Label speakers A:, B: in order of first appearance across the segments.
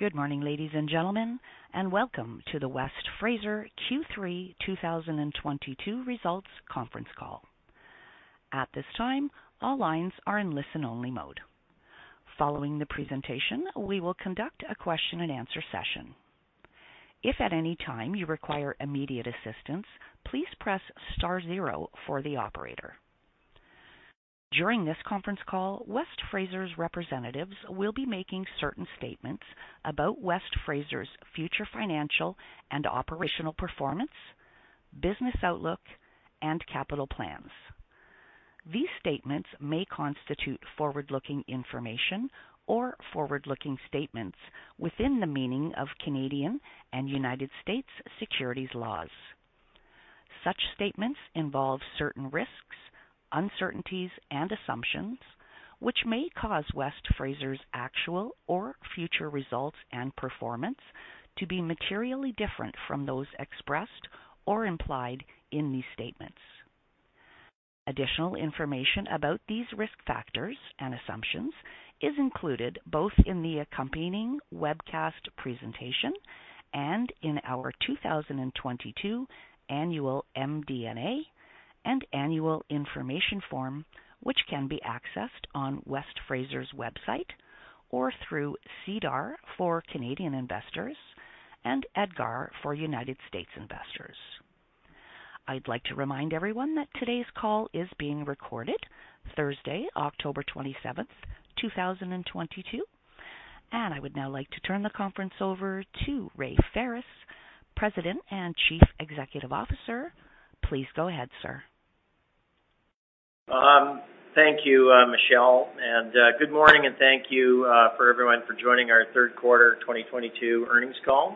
A: Good morning, ladies and gentlemen, and welcome to the West Fraser Q3 2022 Results Conference Call. At this time, all lines are in listen-only mode. Following the presentation, we will conduct a question-and-answer session. If at any time you require immediate assistance, please press star zero for the operator. During this conference call, West Fraser's representatives will be making certain statements about West Fraser's future financial and operational performance, business outlook, and capital plans. These statements may constitute forward-looking information or forward-looking statements within the meaning of Canadian and United States securities laws. Such statements involve certain risks, uncertainties, and assumptions which may cause West Fraser's actual or future results and performance to be materially different from those expressed or implied in these statements. Additional information about these risk factors and assumptions is included both in the accompanying webcast presentation and in our 2022 annual MD&A and Annual Information Form, which can be accessed on West Fraser's website or through SEDAR for Canadian investors and EDGAR for United States investors. I'd like to remind everyone that today's call is being recorded Thursday, October 27th, 2022. I would now like to turn the conference over to Ray Ferris, President and Chief Executive Officer. Please go ahead, sir.
B: Thank you, Michelle, and good morning and thank you for everyone for joining our third quarter 2022 earnings call.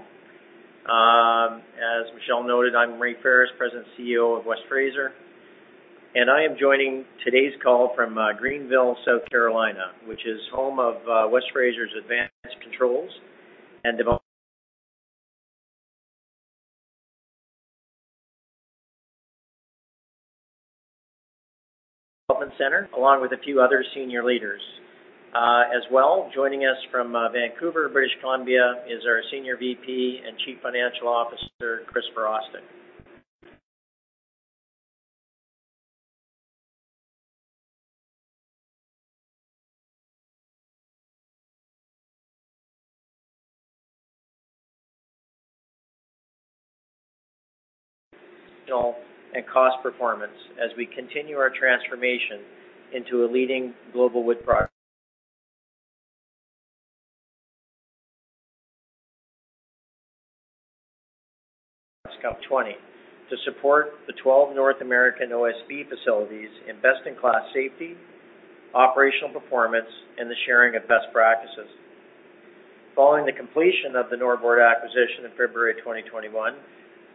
B: As Michelle noted, I'm Ray Ferris, President and CEO of West Fraser, and I am joining today's call from Greenville, South Carolina, which is home of West Fraser's Advanced Controls and Development Center, along with a few other senior leaders. As well, joining us from Vancouver, British Columbia, is our Senior VP and Chief Financial Officer, Chris Virostek. Cost performance as we continue our transformation into a leading global wood product Scout 20 to support the 12 North American OSB facilities in best-in-class safety, operational performance, and the sharing of best practices. Following the completion of the Norbord acquisition in February 2021,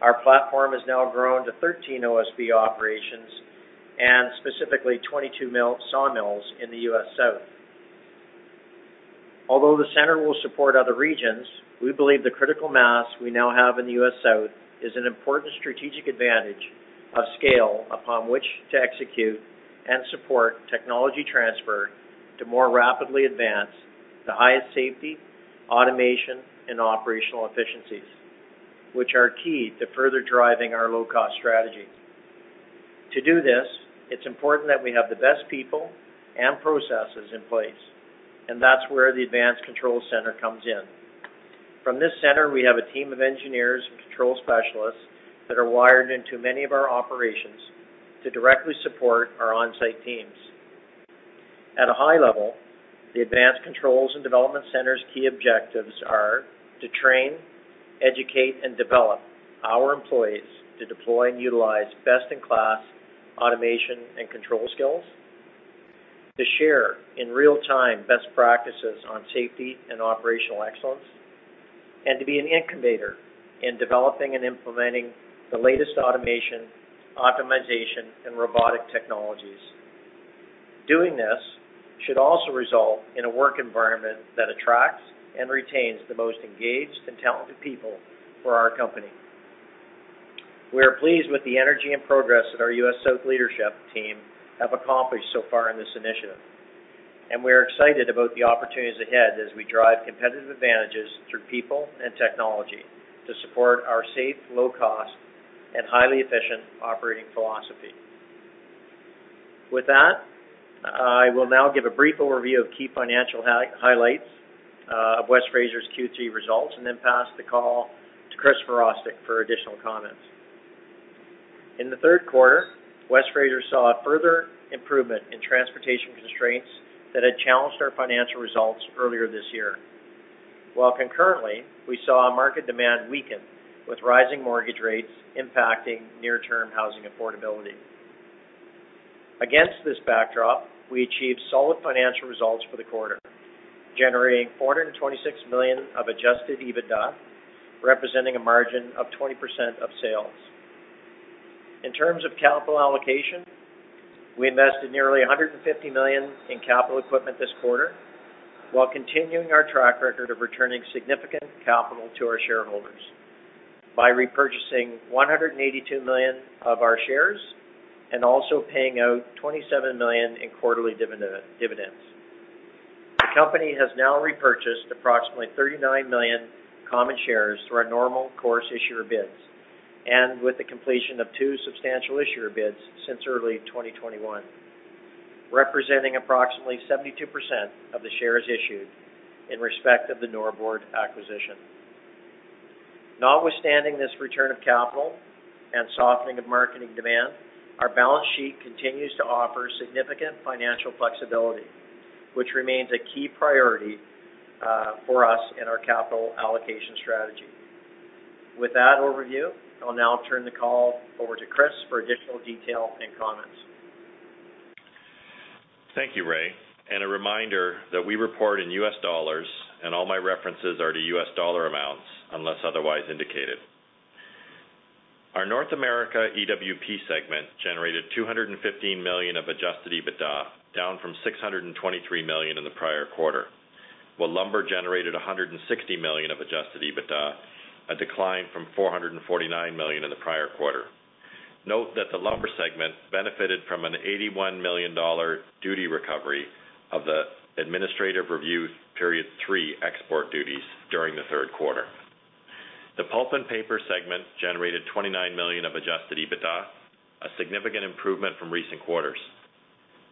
B: our platform has now grown to 13 OSB operations and specifically 22 sawmills in the U.S. South. Although the center will support other regions, we believe the critical mass we now have in the U.S. South is an important strategic advantage of scale upon which to execute and support technology transfer to more rapidly advance the highest safety, automation, and operational efficiencies, which are key to further driving our low-cost strategies. To do this, it's important that we have the best people and processes in place, and that's where the Advanced Controls Center comes in. From this center, we have a team of engineers and control specialists that are wired into many of our operations to directly support our on-site teams. At a high level, the Advanced Controls and Development Center's key objectives are to train, educate, and develop our employees to deploy and utilize best-in-class automation and control skills, to share in real time best practices on safety and operational excellence, and to be an incubator in developing and implementing the latest automation, optimization, and robotic technologies. Doing this should also result in a work environment that attracts and retains the most engaged and talented people for our company. We are pleased with the energy and progress that our U.S. South leadership team have accomplished so far in this initiative, and we are excited about the opportunities ahead as we drive competitive advantages through people and technology to support our safe, low cost and highly efficient operating philosophy. With that, I will now give a brief overview of key financial highlights of West Fraser's Q3 results, and then pass the call to Chris Virostek for additional comments. In the third quarter, West Fraser saw a further improvement in transportation constraints that had challenged our financial results earlier this year. While concurrently, we saw a market demand weaken with rising mortgage rates impacting near-term housing affordability. Against this backdrop, we achieved solid financial results for the quarter, generating $426 million of adjusted EBITDA, representing a margin of 20% of sales. In terms of capital allocation, we invested nearly $150 million in capital equipment this quarter while continuing our track record of returning significant capital to our shareholders. By repurchasing $182 million of our shares and also paying out $27 million in quarterly dividends. The company has now repurchased approximately 39 million common shares through our Normal Course Issuer Bids and with the completion of two Substantial Issuer Bids since early 2021, representing approximately 72% of the shares issued in respect of the Norbord acquisition. Notwithstanding this return of capital and softening of marketing demand, our balance sheet continues to offer significant financial flexibility, which remains a key priority for us in our capital allocation strategy. With that overview, I'll now turn the call over to Chris for additional detail and comments.
C: Thank you, Ray. A reminder that we report in US dollars and all my references are to US dollar amounts unless otherwise indicated. Our North America EWP segment generated $215 million of adjusted EBITDA, down from $623 million in the prior quarter. While lumber generated $160 million of adjusted EBITDA, a decline from $449 million in the prior quarter. Note that the lumber segment benefited from an $81 million dollar duty recovery of the third administrative review export duties during the third quarter. The pulp and paper segment generated $29 million of adjusted EBITDA, a significant improvement from recent quarters.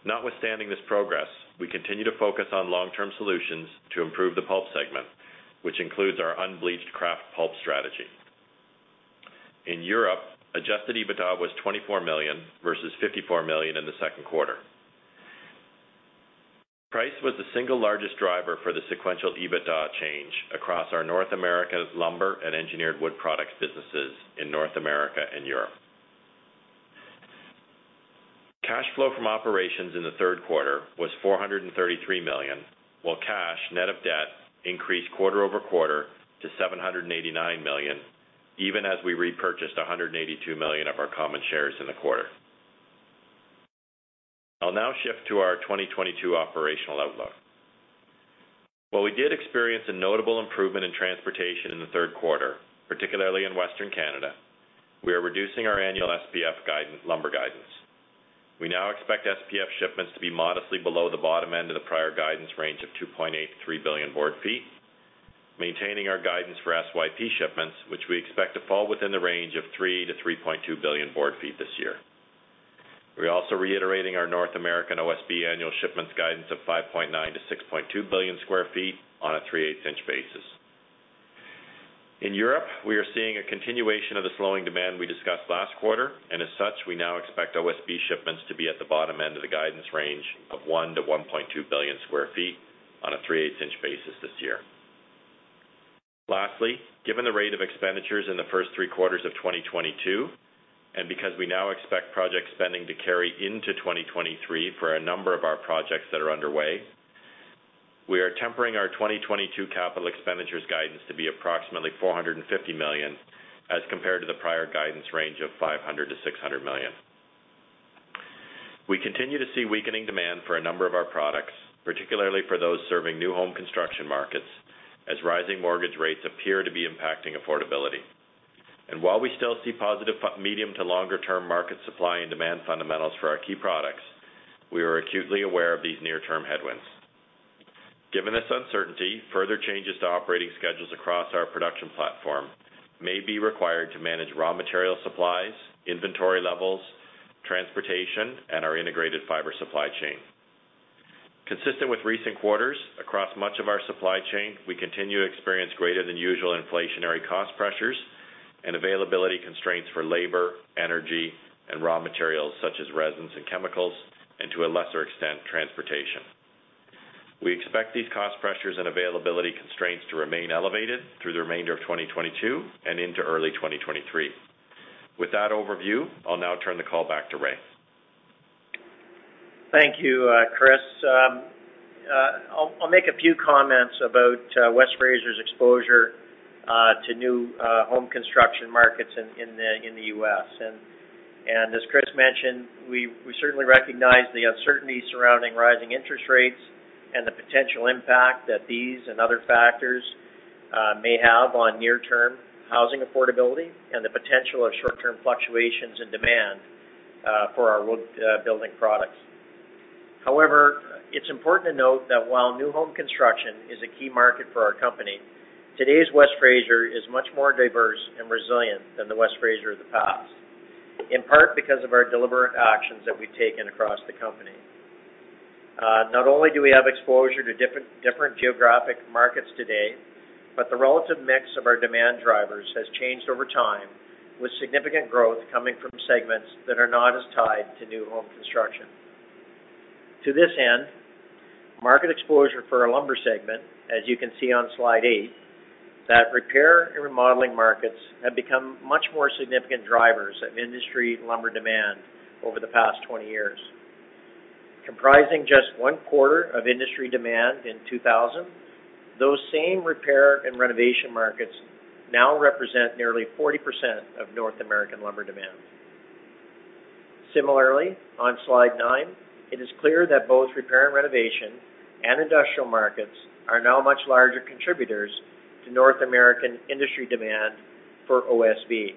C: Notwithstanding this progress, we continue to focus on long-term solutions to improve the pulp segment, which includes our unbleached kraft pulp strategy. In Europe, adjusted EBITDA was $24 million versus $54 million in the second quarter. Price was the single largest driver for the sequential EBITDA change across our North America lumber and engineered wood products businesses in North America and Europe. Cash flow from operations in the third quarter was $433 million, while cash, net of debt, increased quarter-over-quarter to $789 million, even as we repurchased 182 million of our common shares in the quarter. I'll now shift to our 2022 operational outlook. While we did experience a notable improvement in transportation in the third quarter, particularly in Western Canada, we are reducing our annual SPF guidance, lumber guidance. We now expect SPF shipments to be modestly below the bottom end of the prior guidance range of 2.8 billion board feet-3 billion board feet, maintaining our guidance for SYP shipments, which we expect to fall within the range of 3 billion board feet-3.2 billion board feet this year. We're also reiterating our North American OSB annual shipments guidance of 5.9 billion sq ft-6.2 billion sq ft on a 3/8 inch basis. In Europe, we are seeing a continuation of the slowing demand we discussed last quarter, and as such, we now expect OSB shipments to be at the bottom end of the guidance range of 1 billion sq ft-1.2 billion sq ft on a 3/8 inch basis this year. Lastly, given the rate of expenditures in the first three quarters of 2022, and because we now expect project spending to carry into 2023 for a number of our projects that are underway, we are tempering our 2022 capital expenditures guidance to be approximately $450 million as compared to the prior guidance range of $500 million-$600 million. We continue to see weakening demand for a number of our products, particularly for those serving new home construction markets as rising mortgage rates appear to be impacting affordability. While we still see positive from medium to longer term market supply and demand fundamentals for our key products, we are acutely aware of these near-term headwinds. Given this uncertainty, further changes to operating schedules across our production platform may be required to manage raw material supplies, inventory levels, transportation, and our integrated fiber supply chain. Consistent with recent quarters across much of our supply chain, we continue to experience greater than usual inflationary cost pressures and availability constraints for labor, energy, and raw materials such as resins and chemicals, and to a lesser extent, transportation. We expect these cost pressures and availability constraints to remain elevated through the remainder of 2022 and into early 2023. With that overview, I'll now turn the call back to Ray.
B: Thank you, Chris. I'll make a few comments about West Fraser's exposure to new home construction markets in the U.S. As Chris mentioned, we certainly recognize the uncertainty surrounding rising interest rates and the potential impact that these and other factors may have on near-term housing affordability and the potential for short-term fluctuations in demand for our wood building products. However, it's important to note that while new home construction is a key market for our company, today's West Fraser is much more diverse and resilient than the West Fraser of the past, in part because of our deliberate actions that we've taken across the company. Not only do we have exposure to different geographic markets today, but the relative mix of our demand drivers has changed over time, with significant growth coming from segments that are not as tied to new home construction. To this end, market exposure for our lumber segment, as you can see on slide eight, that repair and remodeling markets have become much more significant drivers of industry lumber demand over the past 20 years. Comprising just 1/4 of industry demand in 2000, those same repair and renovation markets now represent nearly 40% of North American lumber demand. Similarly, on slide 9, it is clear that both repair and renovation and industrial markets are now much larger contributors to North American industry demand for OSB.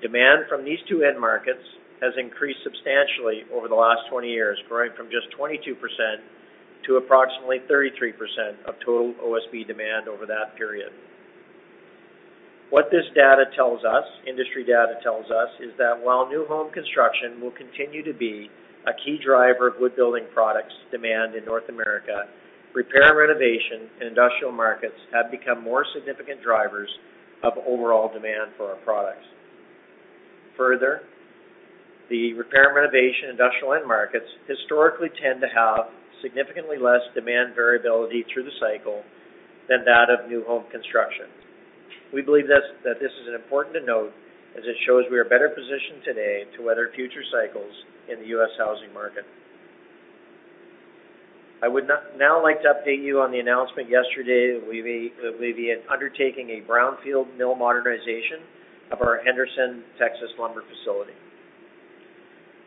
B: Demand from these two end markets has increased substantially over the last 20 years, growing from just 22% to approximately 33% of total OSB demand over that period. What this data tells us, industry data tells us, is that while new home construction will continue to be a key driver of wood building products demand in North America, repair and renovation and industrial markets have become more significant drivers of overall demand for our products. Further, the repair and renovation industrial end markets historically tend to have significantly less demand variability through the cycle than that of new home construction. We believe that this is important to note as it shows we are better positioned today to weather future cycles in the US housing market. I would now like to update you on the announcement yesterday that we'll be undertaking a brownfield mill modernization of our Henderson, Texas lumber facility.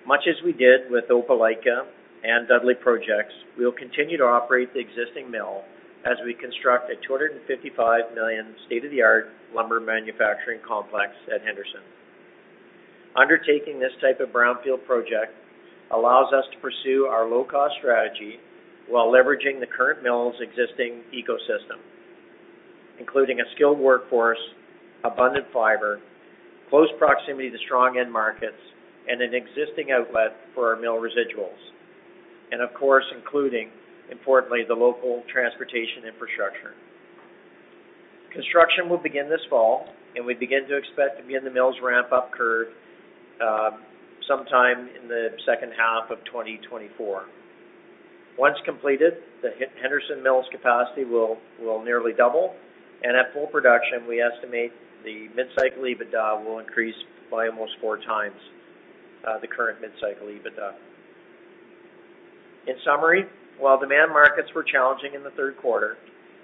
B: Much as we did with Opelika and Dudley projects, we will continue to operate the existing mill as we construct a $255 million state-of-the-art lumber manufacturing complex at Henderson. Undertaking this type of brownfield project allows us to pursue our low-cost strategy while leveraging the current mill's existing ecosystem, including a skilled workforce, abundant fiber, close proximity to strong end markets, and an existing outlet for our mill residuals, and of course, including, importantly, the local transportation infrastructure. Construction will begin this fall, and we expect to be in the mill's ramp-up curve sometime in the second half of 2024. Once completed, the Henderson Mill's capacity will nearly double, and at full production, we estimate the mid-cycle EBITDA will increase by almost 4 times the current mid-cycle EBITDA. In summary, while demand markets were challenging in the third quarter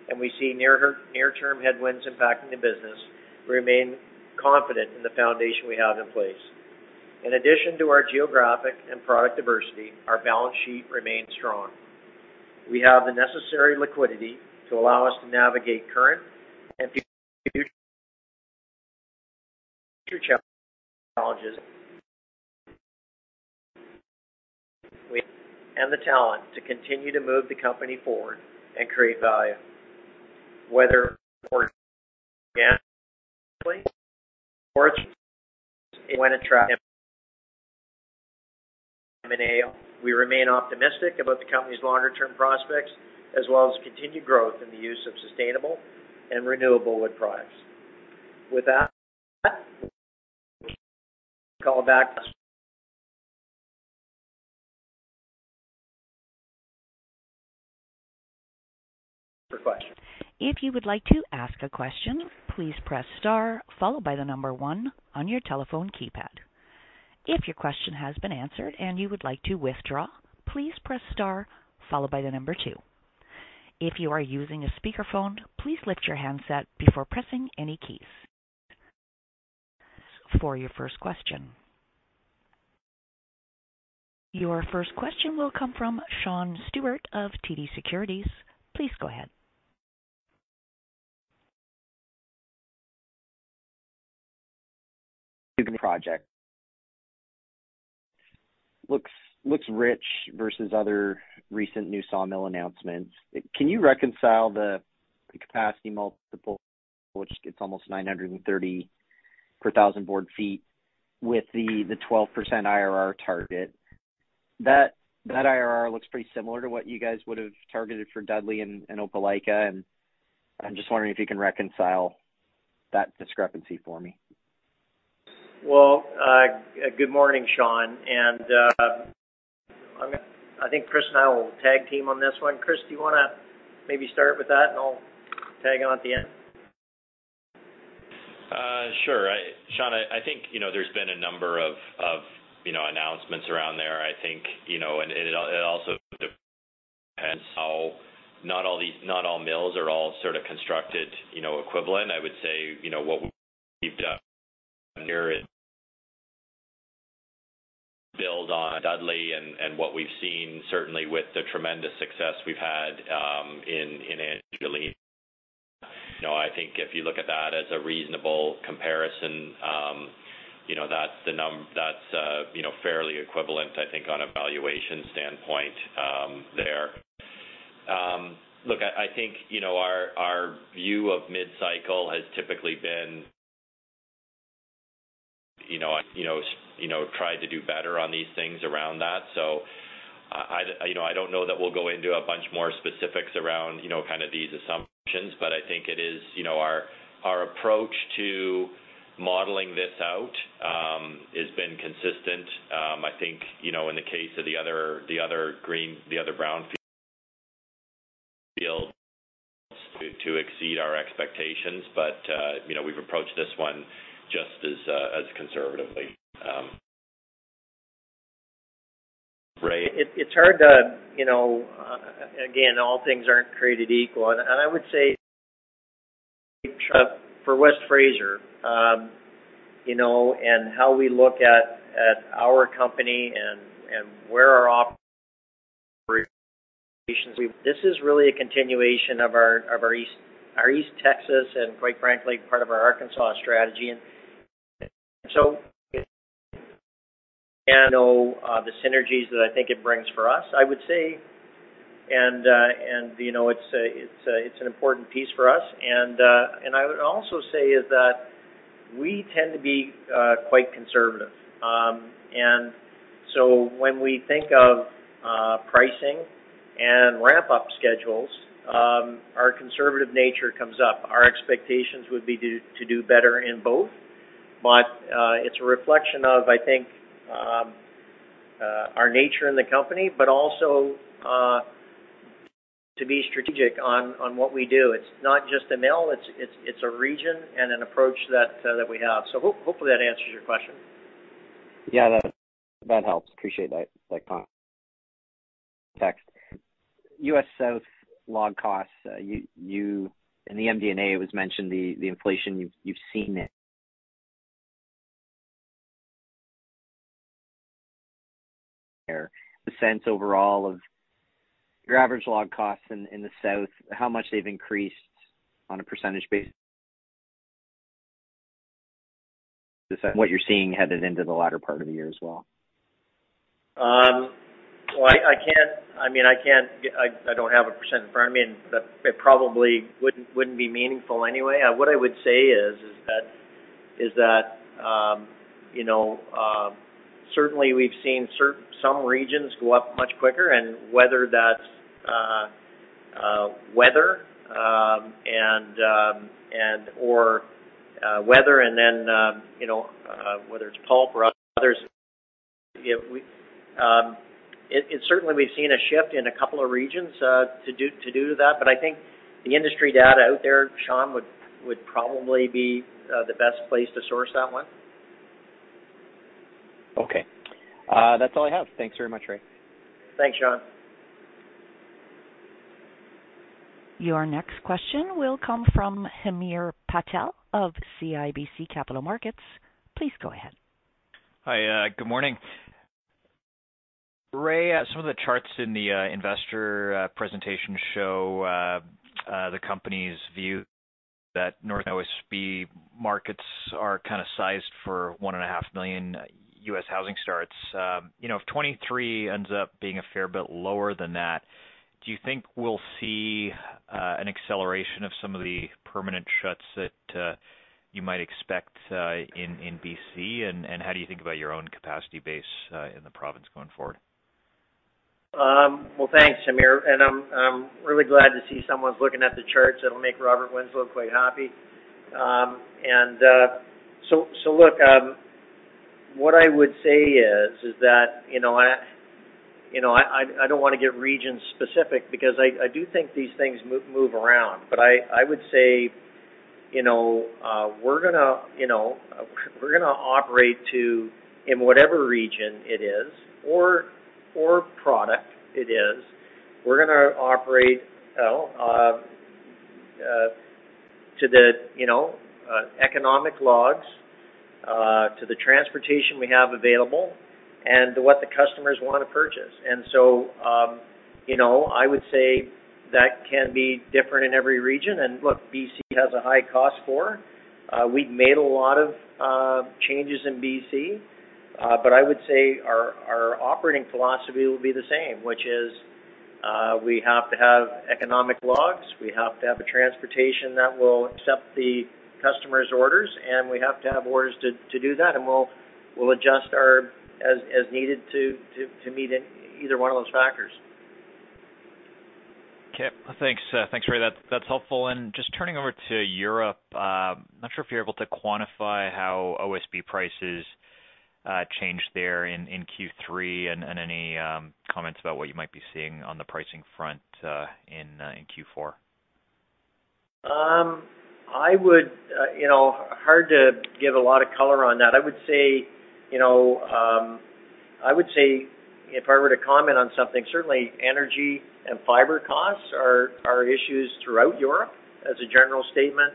B: and we see near-term headwinds impacting the business, we remain confident in the foundation we have in place. In addition to our geographic and product diversity, our balance sheet remains strong. We have the necessary liquidity to allow us to navigate current and future challenges. We have the talent to continue to move the company forward and create value, whether organically or through targeted M&A. We remain optimistic about the company's longer-term prospects as well as continued growth in the use of sustainable and renewable wood products. With that, back for questions.
A: If you would like to ask a question, please press star followed by the number 1 on your telephone keypad. If your question has been answered and you would like to withdraw, please press star followed by the number two. If you are using a speakerphone, please lift your handset before pressing any keys. For your first question. Your first question will come from Sean Steuart of TD Securities. Please go ahead.
D: Project. Looks rich versus other recent new sawmill announcements. Can you reconcile the capacity multiple, which it's almost 930 per thousand board feet with the 12% IRR target? That IRR looks pretty similar to what you guys would have targeted for Dudley and Opelika. I'm just wondering if you can reconcile that discrepancy for me.
B: Well, good morning, Sean. I think Chris and I will tag team on this one. Chris, do you wanna maybe start with that, and I'll tag on at the end?
C: Sure. Sean, I think, you know, there's been a number of, you know, announcements around there. I think, you know, it also depends on how not all mills are all sort of constructed, you know, equivalent. I would say, you know, what we've done here is build on Dudley and what we've seen certainly with the tremendous success we've had in Angelina. You know, I think if you look at that as a reasonable comparison, you know, that's, you know, fairly equivalent, I think, on a valuation standpoint, there. Look, I think, you know, our view of mid-cycle has typically been, you know, try to do better on these things around that. You know, I don't know that we'll go into a bunch more specifics around, you know, kind of these assumptions, but I think it is, you know, our approach to modeling this out, has been consistent. I think, you know, in the case of the other brownfields to exceed our expectations. You know, we've approached this one just as conservatively. Right.
B: It's hard to, you know, again, all things aren't created equal. I would say for West Fraser, you know, and how we look at our company and where our operations, this is really a continuation of our East Texas, and quite frankly, part of our Arkansas strategy. You know, the synergies that I think it brings for us. I would say it's an important piece for us. I would also say is that we tend to be quite conservative. When we think of pricing and ramp-up schedules, our conservative nature comes up. Our expectations would be to do better in both.It's a reflection of, I think, our nature in the company, but also, to be strategic on what we do. It's not just a mill, it's a region and an approach that we have. Hopefully that answers your question.
D: Yeah, that helps. Appreciate that context. U.S. South log costs. In the MD&A, it was mentioned the inflation. You've seen it. The sense overall of your average log costs in the South, how much they've increased on a percentage basis, what you're seeing headed into the latter part of the year as well.
B: Well, I mean, I don't have a percent in front of me, and that probably wouldn't be meaningful anyway. What I would say is that, you know, certainly we've seen some regions go up much quicker, and whether that's weather and/or, and then you know whether it's pulp or others, you know. Certainly we've seen a shift in a couple of regions to do that. But I think the industry data out there, Sean, would probably be the best place to source that one.
D: Okay. That's all I have. Thanks very much, Ray.
B: Thanks, Sean.
A: Your next question will come from Hamir Patel of CIBC Capital Markets. Please go ahead.
E: Hi. Good morning. Ray, some of the charts in the investor presentation show the company's view that North OSB markets are kinda sized for 1.5 million U.S. housing starts. You know, if 2023 ends up being a fair bit lower than that, do you think we'll see an acceleration of some of the permanent shuts that you might expect in BC? How do you think about your own capacity base in the province going forward?
B: Well, thanks, Hamir. I'm really glad to see someone's looking at the charts. That'll make Robert Winslow quite happy. Look, what I would say is that you know, I don't wanna get region specific because I do think these things move around. I would say, you know, we're gonna operate in whatever region it is, or product it is, to the economic logs, to the transportation we have available and to what the customers wanna purchase. You know, I would say that can be different in every region. Look, BC has a high cost for. We've made a lot of changes in BC. I would say our operating philosophy will be the same, which is, we have to have economic logs. We have to have a transportation that will accept the customer's orders, and we have to have orders to do that. We'll adjust as needed to meet any, either one of those factors.
E: Okay. Thanks. Thanks, Ray. That's helpful. Just turning over to Europe, I'm not sure if you're able to quantify how OSB prices changed there in Q3, and any comments about what you might be seeing on the pricing front in Q4.
B: I would, you know, hard to give a lot of color on that. I would say, you know, I would say if I were to comment on something, certainly energy and fiber costs are issues throughout Europe as a general statement.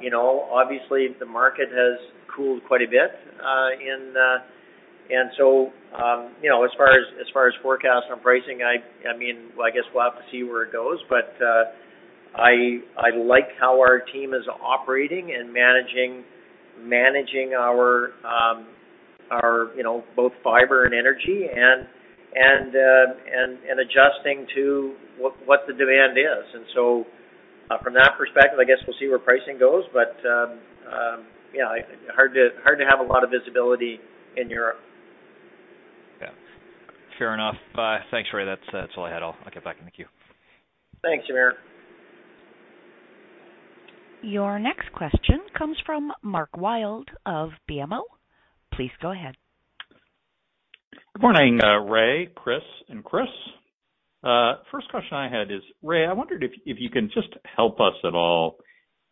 B: You know, obviously the market has cooled quite a bit. You know, as far as forecast on pricing, I mean, well, I guess we'll have to see where it goes. I like how our team is operating and managing our, you know, both fiber and energy and adjusting to what the demand is. From that perspective, I guess we'll see where pricing goes. Yeah, hard to have a lot of visibility in Europe.
E: Yeah. Fair enough. Thanks, Ray. That's all I had. I'll get back in the queue.
B: Thanks, Hamir.
A: Your next question comes from Mark Wilde of BMO. Please go ahead.
F: Good morning, Ray, Chris and Chris. Hi, Ray, I wondered if you can just help us at all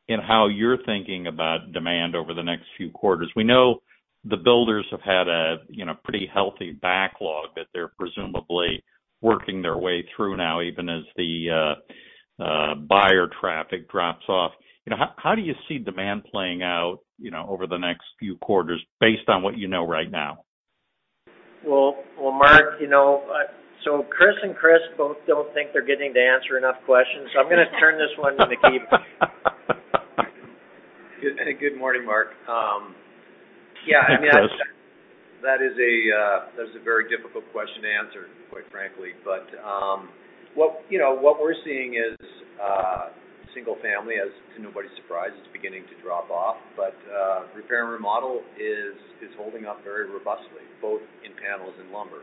F: in how you're thinking about demand over the next few quarters. We know the builders have had a you know pretty healthy backlog that they're presumably working their way through now, even as the buyer traffic drops off. You know, how do you see demand playing out you know over the next few quarters based on what you know right now?
B: Well, well, Mark, you know, so Chris and Chris both don't think they're getting to answer enough questions, so I'm gonna turn this one to Keith.
G: Good morning, Mark. Yeah, I mean.
F: Hi, Chris.
G: That is a very difficult question to answer, quite frankly. What we're seeing is single family, to nobody's surprise, is beginning to drop off. Repair and remodel is holding up very robustly, both in panels and lumber.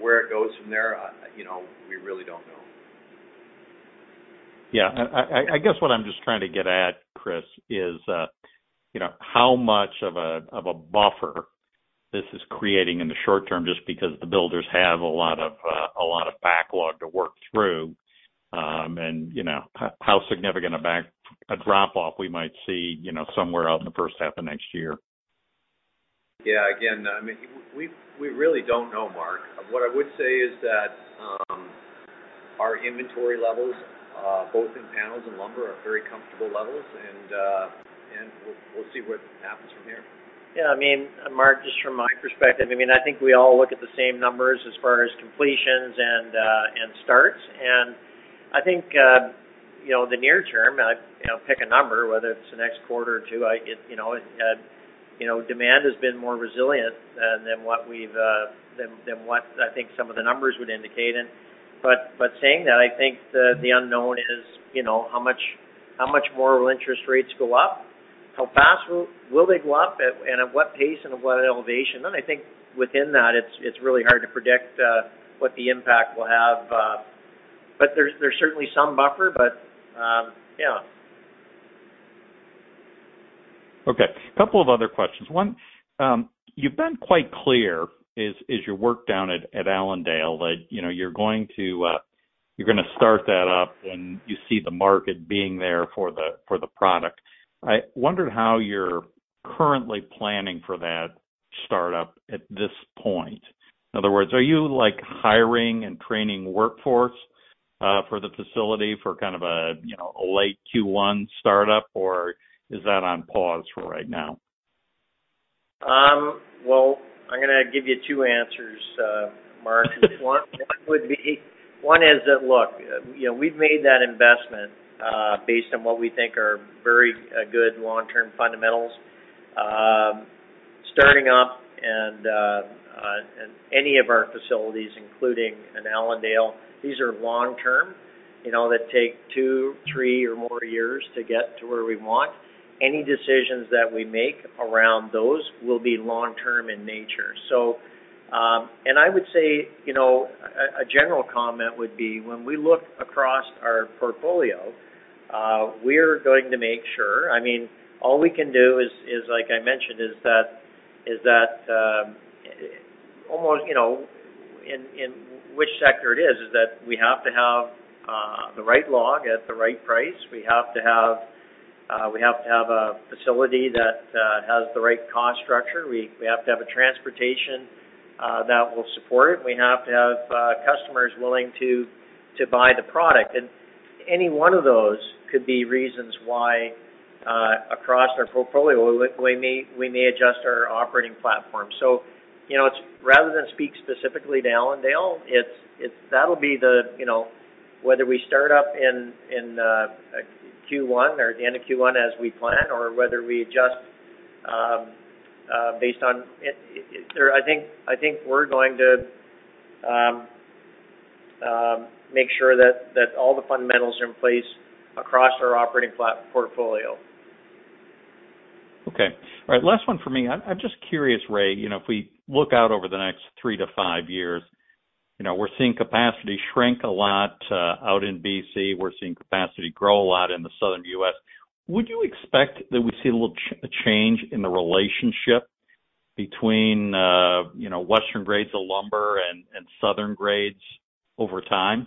G: Where it goes from there, you know, we really don't know.
F: Yeah. I guess what I'm just trying to get at, Chris, is, you know, how much of a buffer this is creating in the short term, just because the builders have a lot of backlog to work through. You know, how significant a drop off we might see, you know, somewhere out in the first half of next year.
G: Yeah. Again, I mean, we really don't know, Mark. What I would say is that our inventory levels, both in panels and lumber, are very comfortable levels and we'll see what happens from here.
B: Yeah, I mean, Mark, just from my perspective, I mean, I think we all look at the same numbers as far as completions and starts. I think, you know, the near term, I, you know, pick a number, whether it's the next quarter or two, I, you know, demand has been more resilient than what we've than what I think some of the numbers would indicate. Saying that, I think the unknown is, you know, how much more will interest rates go up? How fast will they go up, and at what pace and at what elevation? I think within that, it's really hard to predict what the impact will have. There's certainly some buffer. Yeah.
F: Okay. Couple of other questions. One, you've been quite clear is your work down at Allendale that you know you're gonna start that up when you see the market being there for the product. I wondered how you're currently planning for that startup at this point. In other words, are you like hiring and training workforce for the facility for kind of a you know a late Q1 startup, or is that on pause for right now?
B: Well, I'm gonna give you two answers, Mark. One is that, look, you know, we've made that investment based on what we think are very good long-term fundamentals. Starting up and any of our facilities, including in Allendale, these are long term, you know, that take two, three, or more years to get to where we want. Any decisions that we make around those will be long term in nature. I would say, you know, a general comment would be when we look across our portfolio, we're going to make sure. I mean, all we can do is, like I mentioned, is that almost, you know, in which sector it is that we have to have the right log at the right price. We have to have a facility that has the right cost structure. We have to have a transportation that will support it. We have to have customers willing to buy the product. Any one of those could be reasons why across our portfolio we may adjust our operating platform. You know, it's rather than speak specifically to Allendale, it's whether we start up in Q1 or at the end of Q1 as we plan, or whether we adjust. I think we're going to make sure that all the fundamentals are in place across our operating portfolio.
F: Okay. All right, last one for me. I'm just curious, Ray, you know, if we look out over the next three to five years, you know, we're seeing capacity shrink a lot out in BC. We're seeing capacity grow a lot in the Southern U.S. Would you expect that we see a little change in the relationship between, you know, Western grades of lumber and Southern grades over time?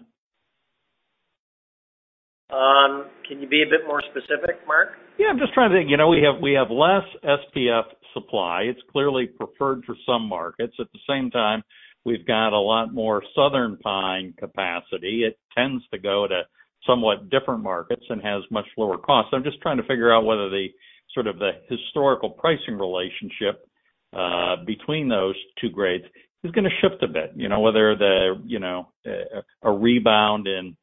B: Can you be a bit more specific, Mark?
F: Yeah, I'm just trying to think. You know, we have less SPF supply. It's clearly preferred for some markets. At the same time, we've got a lot more Southern pine capacity. It tends to go to somewhat different markets and has much lower cost. I'm just trying to figure out whether sort of the historical pricing relationship between those two grades is gonna shift a bit. You know, whether a rebound in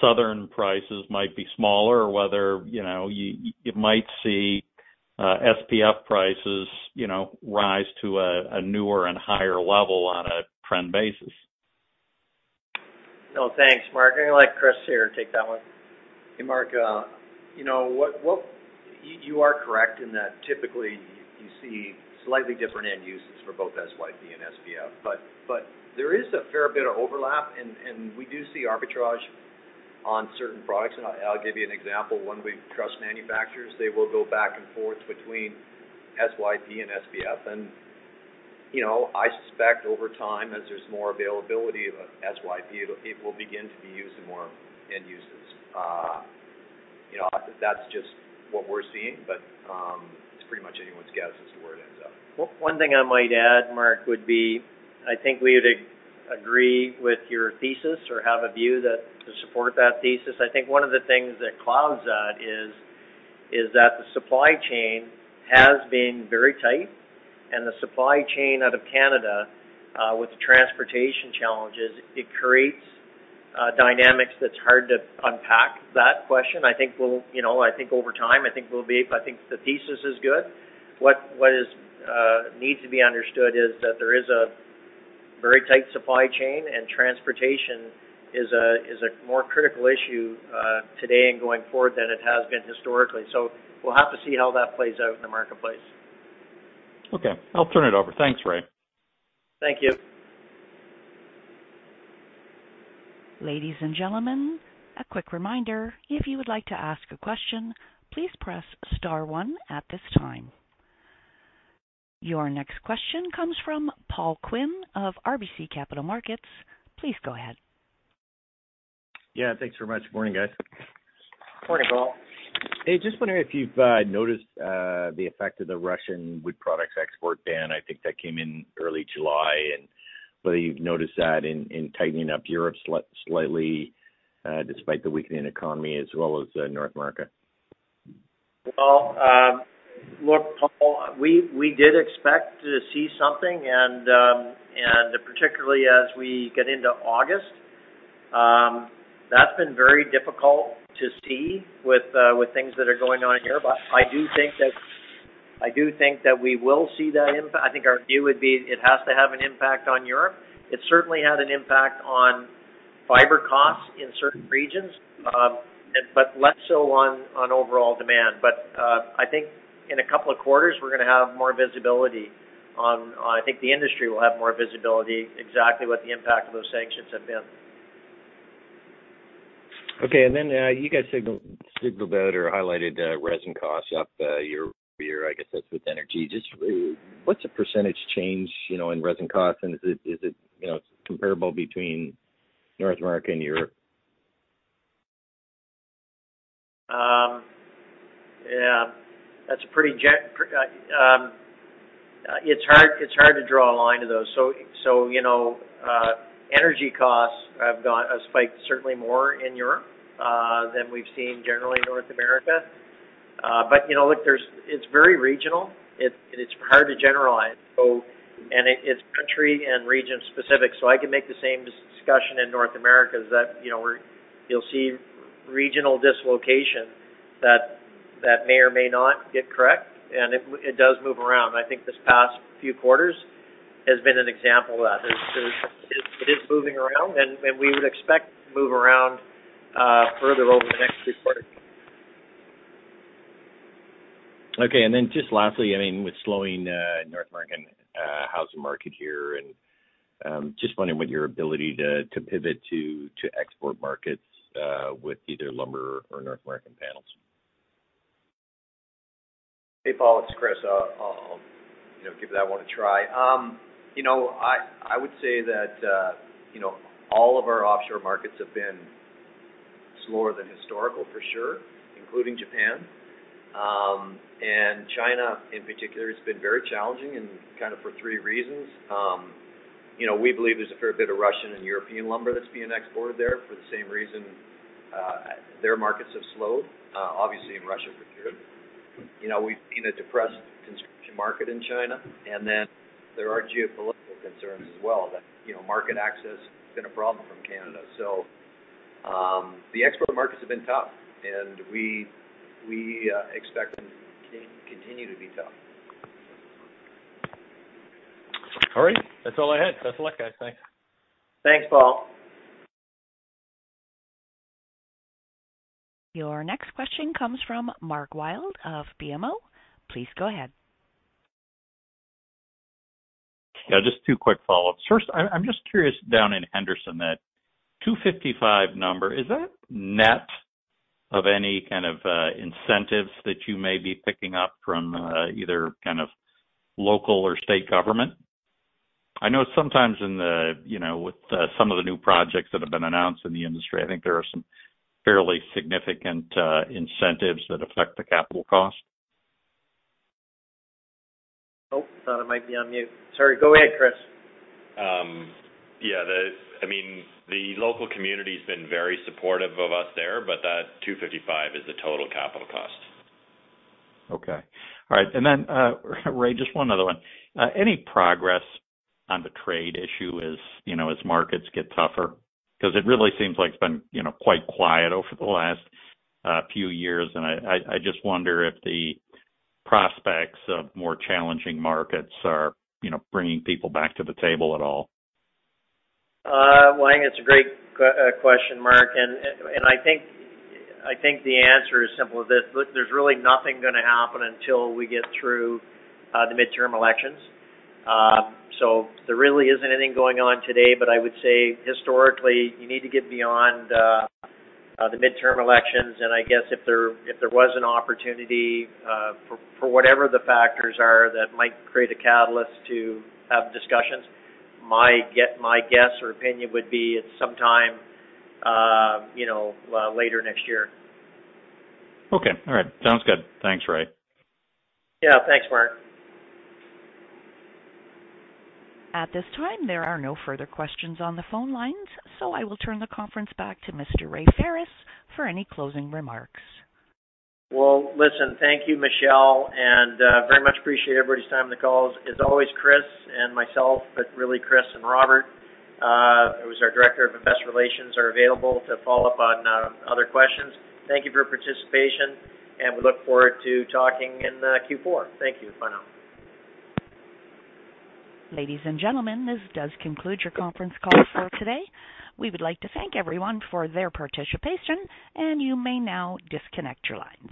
F: Southern prices might be smaller or whether you might see SPF prices you know rise to a newer and higher level on a trend basis.
B: No, thanks, Mark. I'm gonna let Chris here take that one.
G: Hey, Mark. You know, you are correct in that typically you see slightly different end uses for both SYP and SPF, but there is a fair bit of overlap, and we do see arbitrage on certain products. I'll give you an example. When truss manufacturers, they will go back and forth between SYP and SPF. You know, I suspect over time, as there's more availability of SYP, it will begin to be used in more end uses. You know, that's just what we're seeing, but it's pretty much anyone's guess as to where it ends up.
B: One thing I might add, Mark, would be I think we'd agree with your thesis or have a view that to support that thesis. I think one of the things that clouds that is that the supply chain has been very tight, and the supply chain out of Canada with the transportation challenges it creates a dynamic that's hard to unpack that question. I think the thesis is good. What needs to be understood is that there is a very tight supply chain, and transportation is a more critical issue today and going forward than it has been historically. We'll have to see how that plays out in the marketplace.
F: Okay. I'll turn it over. Thanks, Ray.
B: Thank you.
A: Ladies and gentlemen, a quick reminder. If you would like to ask a question, please press star one at this time. Your next question comes from Paul Quinn of RBC Capital Markets. Please go ahead.
H: Yeah, thanks very much. Morning, guys.
B: Morning, Paul.
H: Hey, just wondering if you've noticed the effect of the Russian wood products export ban. I think that came in early July, and whether you've noticed that in tightening up Europe slightly, despite the weakening economy as well as North America.
B: Well, look, Paul, we did expect to see something, and particularly as we get into August, that's been very difficult to see with things that are going on here. I do think that we will see that impact. I think our view would be it has to have an impact on Europe. It certainly had an impact on fiber costs in certain regions, and but less so on overall demand. I think in a couple of quarters, we're gonna have more visibility on. I think the industry will have more visibility exactly what the impact of those sanctions have been.
H: Okay. You guys signaled about or highlighted resin costs up year-over-year. I guess that's with energy. Just what's the percentage change, you know, in resin costs, and is it you know, comparable between North America and Europe?
B: Yeah. That's pretty hard to draw a line to those. You know, energy costs have spiked certainly more in Europe than we've seen generally in North America. You know, look, there's. It's very regional. It's hard to generalize. It's country and region specific. I can make the same discussion in North America, that you know, where you'll see regional dislocation that may or may not get correct, and it does move around. I think this past few quarters has been an example of that. It is moving around, and we would expect to move around further over the next three quarters.
H: Okay. Just lastly, I mean, with slowing North American housing market here and just wondering what your ability to pivot to export markets with either lumber or North American panels?
G: Hey, Paul, it's Chris. I'll, you know, give that one a try. You know, I would say that, you know, all of our offshore markets have been slower than historical for sure, including Japan. China in particular has been very challenging and kind of for three reasons. You know, we believe there's a fair bit of Russian and European lumber that's being exported there for the same reason, their markets have slowed, obviously in Russia for good. You know, we've seen a depressed construction market in China, and then there are geopolitical concerns as well that, you know, market access has been a problem from Canada. The export markets have been tough, and we expect them to continue to be tough.
H: All right. That's all I had. Best of luck, guys. Thanks.
B: Thanks, Paul.
A: Your next question comes from Mark Wilde of BMO. Please go ahead.
F: Yeah, just two quick follow-ups. First, I'm just curious down in Henderson, that 255 number, is that net of any kind of incentives that you may be picking up from either kind of local or state government? I know sometimes in the industry, you know, with some of the new projects that have been announced, I think there are some fairly significant incentives that affect the capital cost.
B: Oh, thought I might be on mute. Sorry. Go ahead, Chris.
C: I mean, the local community's been very supportive of us there, but that $255 is the total capital cost.
F: Okay. All right. Then, Ray, just one other one. Any progress on the trade issue as, you know, as markets get tougher? 'Cause it really seems like it's been, you know, quite quiet over the last few years, and I just wonder if the prospects of more challenging markets are, you know, bringing people back to the table at all.
B: Well, I think it's a great question, Mark, and I think the answer is simple as this. Look, there's really nothing gonna happen until we get through the midterm elections. There really isn't anything going on today. I would say historically, you need to get beyond the midterm elections, and I guess if there was an opportunity for whatever the factors are that might create a catalyst to have discussions, my guess or opinion would be it's sometime, you know, later next year.
F: Okay. All right. Sounds good. Thanks, Ray.
B: Yeah. Thanks, Mark.
A: At this time, there are no further questions on the phone lines, so I will turn the conference back to Mr. Ray Ferris for any closing remarks.
B: Well, listen, thank you, Michelle, and very much appreciate everybody's time on the call. As always, Chris and myself, but really Chris and Robert, who is our Director of Investor Relations, are available to follow up on other questions. Thank you for your participation, and we look forward to talking in Q4. Thank you. Bye now.
A: Ladies and gentlemen, this does conclude your conference call for today. We would like to thank everyone for their participation, and you may now disconnect your lines.